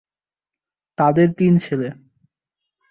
তাঁদের তিন ছেলে।